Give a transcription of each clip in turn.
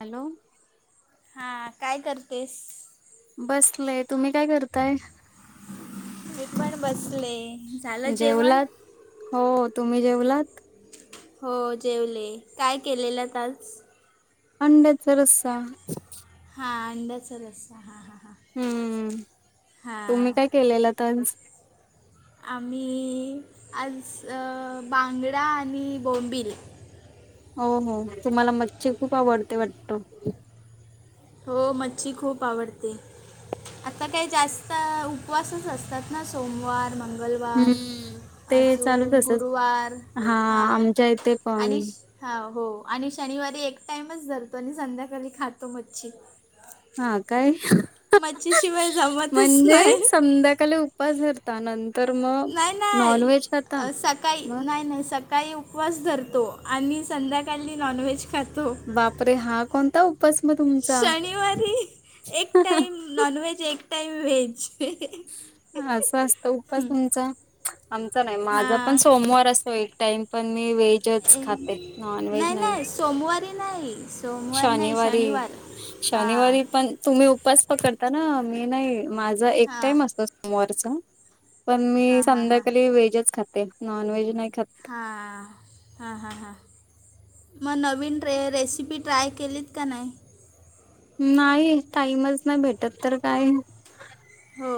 Hello. हा काय करतेस बसलय तुम्ही काय करताय? मी पण बसले झालं जेवण? जेवलात हो तुम्ही जेवलात हो जेवले काय केलेलात आज? अंड्याचा रस्सा. हा अंड्याचा रस्सा हा हा हा. हम्म हम्म तुम्ही काय केलेलं तर आम्ही आज अ बांगडा आणि बोंबिल. हो हो तुम्हाला मच्छी खूप आवडते वाटतं. हो मच्छी खूप आवडते. आता काय जास्त उपवासच असतात ना सोमवार मंग हम्म मंगलवार ते चालूच अजून असच गुरुवार हा हां आमच्या इथे पण आणि हा हो आणि शनिवारी एक टाइमच धरतो आणि संध्याकाळी खातो मच्छी. हा काय मच्छीशिवाय जमतच म्हणजे नाही संध्याकाळी पझरता नं नाय नाय अ सकाळी मग नाय नाय सक सकाळी उपवास धरतो आणि संध्याकाळी नॉनव्हेज खातो. बापरे हा कोणता उपास म तुमचा. शनिवारी एक टाईम नॉनव्हेज एक टाईम व्हेज. असा असतो उपास तुमचा. आमचा नाही, माझा पण हां सोमवार असतो एक टाइम. पण मी व्हेजच ए- खाते नॉन व्हेज नाही. सोमवारी नाही. सोमवार नाही शनिवारी शनिवार हां शनिवारी पण तुम्ही उपास पकडताना मी नाही, माझा एक हां टाइम असतो सोमवारचा. पण मी हां हां हां संध्याकाळी व्हेजच खाते नॉन व्हेज नाही खात. हां हां हां हां. मग नवीन रे रेसिपी ट्राय केलीत का नाही? नाही टाईमच नाय भेटत तर काय. हो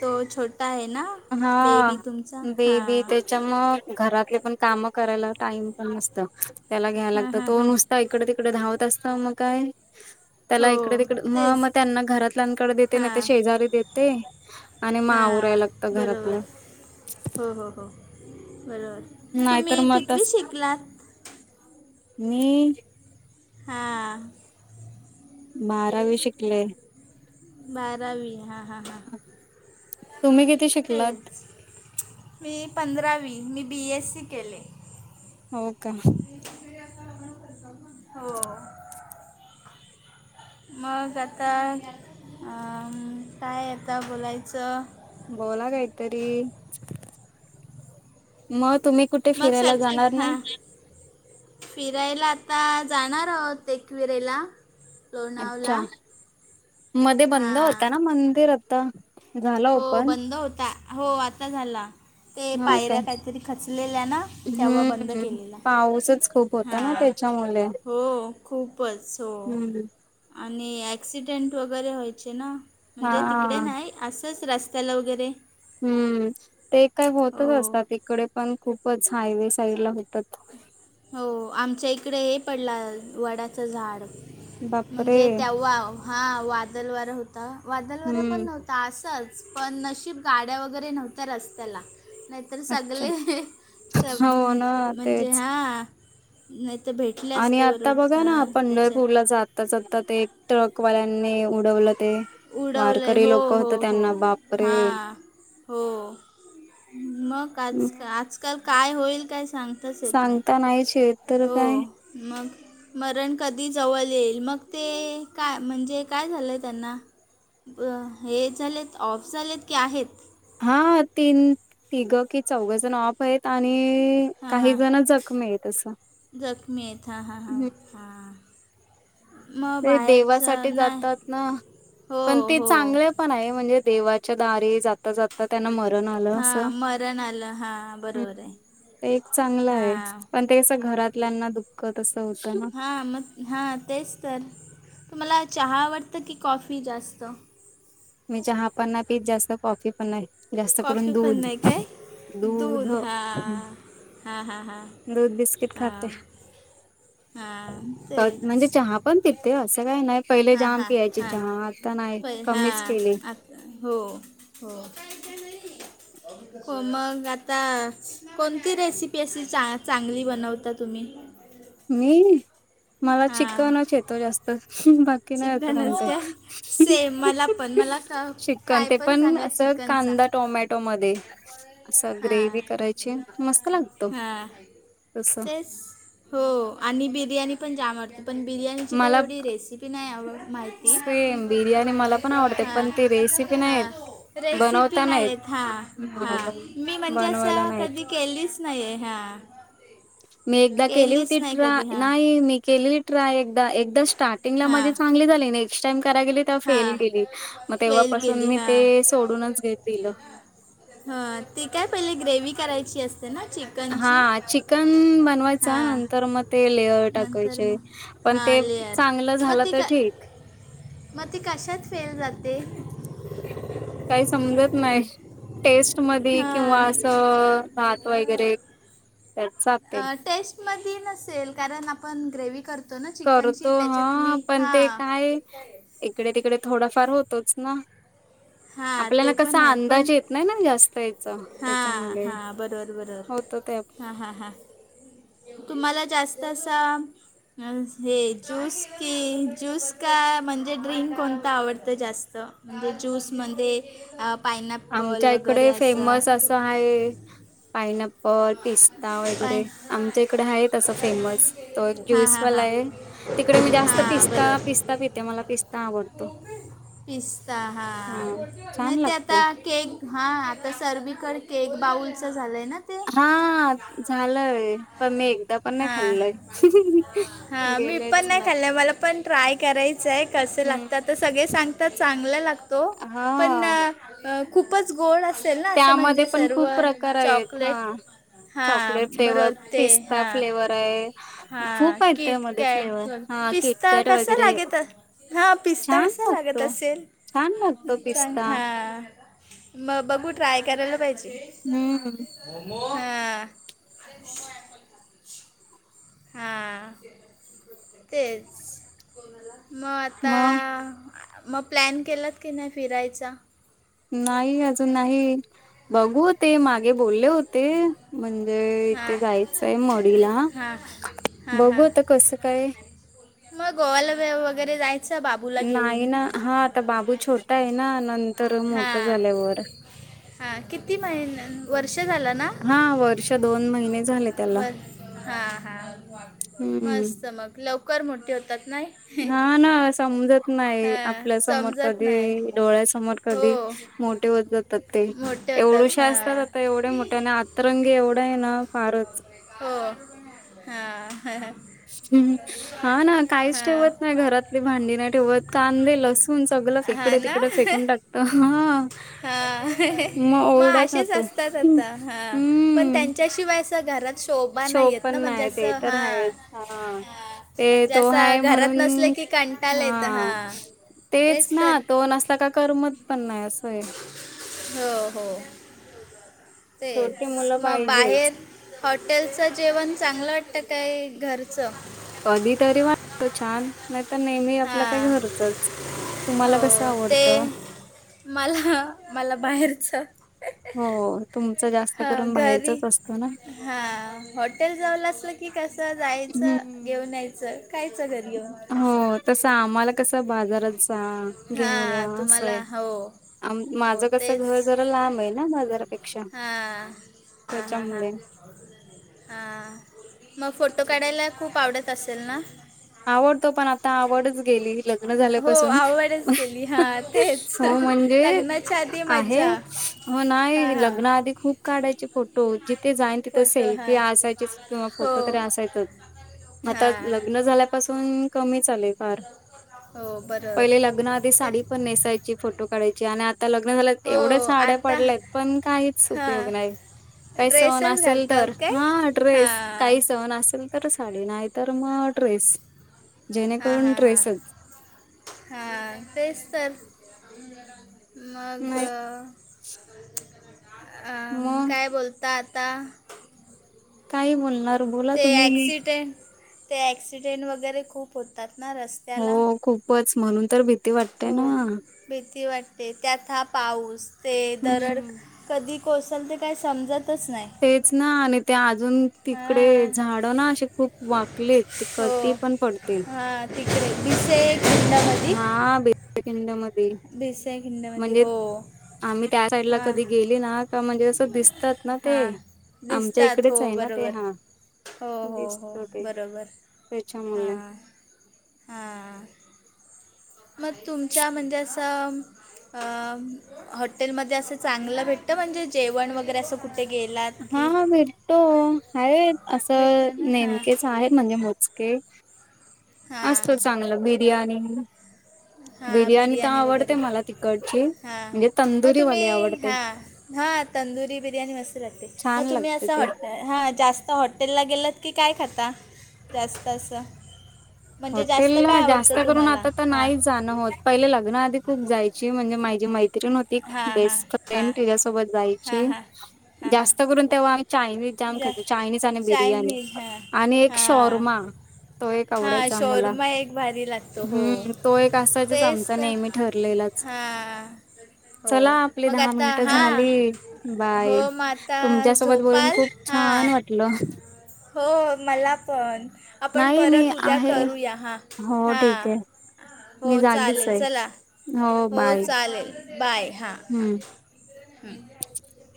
तो छोटा आहे ना. हा बेबी तुमचा बेबी [unintelligible] हां तर मग घरातले पण काम करायला टाइम पण नसत त्याला घ्यायला हां लागत हां तो हां नुस तो इकड तिकड धावत असत मग काय. हो त्याला इकडे तिकडे मग तेच मग त्यांना घरातल्यांकडे देते नाही तर हां शेजारी देते. आणि मग हां आवरायला बरोबर घरातलं हो हो हो बरोबर नाहीतर तुम्ही मग कितवी तस शिकलात मी हां बारावी शिकले. बारावी हा हा तुम्ही किती शिकलात. तेच मी पंधरावी मी बी एस सी केले. हो का. हो. मग आता, काय आता बोलायचं. बोला काहीतरी मग तुम्ही कुठे मग फिरायला सक जाणार हां नाही. फिरायला आता जाणार आहोत एकविरेला लोणावला अच्छा मध्ये बंद होता हां ना मंदिर आता झालं हो ओपन बंद होता हो आता झाला. ते हो का पायऱ्या काहीतरी खचलेल्या ना तेव्हा बंद केलेला. तू होताना हां त्याच्यामुळे. हो खूपच हो हम्म आणि ॲक्सिडंट वैगरे व्हायचे ना. हा म्हणजे तिकडे नाही असंच रस्त्याला वगैरे. हम्म ते काय होतच हो असतात इिकडे पण खूपच हायवे साईड ला होतात. हो आमच्या इकडे हे पडलं वडाचं झाड बापरे म्हणजे तेव्हा हा वादल वार हो आता वादल वार पण हम्म नव्हता असंच पण नशीब गाड्या वगैरे नव्हत्या रस्त्याला नाहीतर अच्छा सगळे सब हो ना म्हणजे तेच हा नाही तर भेटले आणि असते बरोबर बघा ना ह त्याच्यात पंढरपूरला जाता आताच आता ते ट्रकवाल्यांनी उडवलं ते उडवलंय वारकरी हो लोक होत हो हो त्यांना बापरे हां हो मग आज आजकाल काय होईल काय सांग सांगता नाही श तर काय मग. मरण कधी जवळ येईल मग ते काय म्हणजे काय झालंय त्यांना ब हे झालेत ऑफ झालेत की आहेत. हा तीन तिघं कि चौघ जण ऑफ आहेत आणि हां काही हां जण जखमी आहेत असं जखमी आहेत हां हां हां हम्म हां मग ते देवासाठी बाहेरचं नाही जातात ना हो पण ते हो चांगले पण आहे म्हणजे देवाच्या दारी जात ता जात त्यांना मरण आलं अस हां मरण आलं हां हम् बरोबर आहे एक चांगलं आहे हां पण ते कसं घरातल्यांना दुःख त अससं होतं ना, हां मग हां तेच तर तुम्हाला चहा आवडतं की कॉफी जास्त मी चहा पण नाही पीत जास्त कॉफी पण नाही. जास्त करून कॉफी पण दूध नाही काय दूध हा हा हा दूध बिस्किट खाते हां म्हणजे तेच चहा पण तिथे असं काही नाही पहिले हां जाम हां पियायची हां चहा आता नाही पै हां कमीच केली. हो हो हो मग आता कोणती रेसिपी अशी चांगली बनवता तुम्ही? मी मला हां चिकनच येतो जास्त कि नाही अस, कोणत चिकनच काय सेम मला पण मला का चिकन काय ते पण सांगा असं चिकनचा कांदा टोमॅटो मध्ये असा हां ग्रेवी करायची मस्त लागतो हां तस तेच हो आणि बिर्याणी पण जाम आवडते. पण बिर्याणीची काही मला एवढी रेसिपी नाही आव माहिती सेम बिर्याणी मला पण आवडते हां पण ती रेसिपी नाही हा येत रेसिपी नाही येत हा हा-हा मी म्हणजे बनवायला असं नाही येत. कधी केलीच नाही आहे हां मी एकदा केली केलीच होती नाही ट्रा कधी हां नाई मी केली. ट्राय एकदा एकदा स्टार्टिंगला हां माझे चांगले झाले नाही. नेक्स्ट टाइम करायला गेली. तर फेल हां गेली मग फेल तेव्हापासून केली मी ते हां सोडूनच घेत दिलं. हा ती काय पहिले ग्रेवी करायची असते ना चिक हा चिकन बनवायचं हां नंतर मग ते लेअर नंतर टाकायचे. मग पण हां ते लेअर चांगलं मग झालं ती तर का ठीक. मग ती कशात फेल जाते. काही समजत नाही. टेस्ट मधी किंवा हां असं भात वगैरे मध नसेल कारण आपण ग्रेवही करतो ना चिकनची करतो त्याच्यात मी हां, पण ते हां. काय इकडे तिकडे थोडाफार होतोच ना. हां आपल्याला ते पण कसा आहे पण अंदाज येत नाही ना जास्त याचा हां त्याच्यामुळे हां बरोबर बरोबर होत ते हां हां हां तुम्हाला जास्त असा. हे ज्यूस की ज्यूस का म्हणजे ड्रिंक कोणतं आवडतं जास्त म्हणजे ज्यूस म्हणते. आमच्या इकडे फेमस असं आहे पायना. पिस्ता पाय वगैरे आमच्या इकडे आहे तं फेमस त एक हां हां ज्यूसवाला हां आहे. तिकडे मी जास्त हां बरोबर पिस्ता-पिस्ता पिते. मला पिस्ता आवडतो. पिस्ता हा नाही छान ते लागतो आता केक. हा आता सर्वीकडे केक बाउलचं झालंय ना ते हा झालंय पण मी एकदा पण नाही हां खाल्लोय. हा मी पण नाही खाल्लं मला पण ट्राय करायचं आहे. कसं हम्म लागतात? तर सगळे सांगतात चांगला लागतो पण हा खूपच गोड अस. ते ना असं त्यामध्ये म्हणजे पण सर्व खूप प्रकार आहेत हा चॉकलेट चॉकलेट हां फ्लेवर बरोबर ते पिस्ता हां फ्लेवर आहे. हां खूप आहेत किट त्यामध्ये फ्लेवर कॅट हा पिस्ता किटकॅट कसा वगैरे लागे तर हा पिस्ता छान कसा लागत लागतो. असेल छान लागतो चांग पिस्ता हा. ह मग बघू ट्राय करायला पाहिजे. हम्म. हा. हां तेच म आता मग मग प्लॅन केलात की नाही फिरायचा? नाही अजून नाही बघू ते मागे बोलले होते. म्हणजे इथे हां जायचंय मोडीला हां हां बघू हां आता कसं काय? मग गोवला वगैरे जायचं बाबूला घेऊन. नाही ना हा आता बाबू छोटा आहे ना नंतर मोठ झाल्यावर हा किती महिन वर्ष झाला ना. हा वर्ष दोन महिने झाले त्याला हा हा हम्म मस्त मग लवकर मोठे होतात ना. हा ना समजत नाही आपल्यासमोर समजत नाही कधी डोळ्यासमोर हो कधी मोठे होत जातात ते मोठे होतात एवढूशे असतात. हां आता एवढ्या मोठ्या तररंग एवढा आहे ना फारच हो हा. हम् हा ना काहीच ठेवत हां नाही घरातली भांडी नाही ठेवत. कांदे, लसूून सगळं. हां इकडे ना तिकडे फेकून टाकतो. हा हा मग ओरडा खातो. आ हा पण हम्म त्यांच्याशिवाय अस घरात शोभा शो नाहीयेत पण ना म्हणजे नाही अस ते तर हा आहेच हा. ते म्हणजे तो असं आहे घरात नसले म्हणून की का? चाले तर हा. हां. तेच ना तो न असता का करमत पण नाही असंय. हो हो छोटी तेच मुलं मग बाहेर पाहिजेच. हॉटेलचं जेवण चांगलं वाटतं काय घरचं. कधी तरी वाटतो छान. नाही तर नेहमी आपलं काय हा घरचच तुम्हाला हो कसं ते आवडतं. मला मला बाहेरच हो तुमच जास्त करून घरी बाहेरचच असतो ना. हा हॉटेल जाऊल असलं की कसं जायचं हम्म घेऊन यायचं कायच घर प्रि अस. तस आम्हाला कस बाजारात जा घेऊन या हां असं आहे. तुम्हाला हो आम हो माझं कसं तेच घर जरा लांब आहे ना बाजारापेक्षा त्याच्यामुळे हा मग फोटो काढायला खूप आवडत असेल ना. आवडतो. पण आता आवडच गेली लग्न हो झाल्यापासून आवडच केली हां तेच हो म्हणजे लग्नाच्या आधी आहे मज्जा म हां नाही हां लग्न आधी खूप काढायचे फोटो जिथे जाईन तिथे फोटो सेल्फी हां असायचीच. किंवा हो फोटो तरी असायचच. आता हां लग्न झाल्यापासून कमीचचाले फार हो बरं. पहिले लग्न आधी साडी पण नेसायची फोटो काढायची आणि आता लग्न झाल्या. हो एवढे साडे्या आता पडलेत पण काहीच उपयोग हां नाही. काही सहन ड्रेसच असल घालतात तर काय हा ड्रेस हां काही सहन असेल. साडी नाही तर मग ्रेस हा हा हा हा तेच तर मग नाही मग काय बोलता आता काय बोलणार बोला ते तुम्ही? ॲक्सिडेंट ते ॲक्सिडेंट वगैरे खूप होतात ना रस्ते हो खूपच म्हणून तर भीती वाटते हो ना. भीती वाटते त्यात हा पाऊस ते दरड हम्म कधी कोसल ते काही समजतच नाही. तेच ना आणि ते अजून तिकडे हां झाड ना असे खूप वाकलेत ते हो कतीी पण पडतील. हां तिकडे दिसे एक हा बेखंड म भिसे खिंडामध्ये म्हणजे हो आम्ही त्या साईडला हां कधी गेली ना. का म्हणजे असं दिसतात ना ते हां आमच्या दिसतात हो इकडेच आहे ना ते बरोबर हा. हो हो हो दिसत ते बरोबर त्याच्यामुळे हां हां. मग तुमच्या म्हणजे असं. अ हॉटेलमध्ये असं चांगलं भेटत म्हणजे जेवण वगैरे अस. कुठे गेलाय? हा भटतो आहे असं भेटतं ना हां नेमकेच आहेत म्हणजे मोजके असत चांगलं बिर्याणी हा तर बिर्याणी वगैरे आवडते मला तिकडची हा म्हणजे मग तुम्ही तंदुरीवाली आवडते हा. हां तंदुरी बिर्याणी मस्त लागते मग छान तुम्ही लागते असं ते हॉटेल हां जास्त आता हॉटेलला गेलंत की काय खाता जास्त असं. म्हणजे जास्त हॉटेल काय जास्त आवडतं करून तुम्हाला आता तर हां नाही जाणं होत. पहिले लग्न आधीतच जायची म्हणजे माझी मैत्रीण हो. हां हां बेस्ट फ्रेंड हां त्याच्यासोबत हां जायची हां हां हां जास्त करून तेव्हा आम्ही चायनीज जाम जा खाच चायनीज आणि बिर्याणी चायनीज हां आणि एक हां शॉर्मा तो एक आवड हा मला शोरमा एक भारी लागतो हो हम्म तो एक असायचच तेच आमचा तर नेहमी ठरलेलाच हा हो चला आपली मग दहा आता मिनटं हा झालेत हो बाय मग आता तुमच्यासोबत बोलून झोपाल खूप हा छान वाटलं. हो मला पण आपण नाही मी परत उद्या आहे करूया हा हो हा. ठीक आहे मी हो जागीच चालेल आहे चला हो चालेल बाय हा. हम्म. टिचक.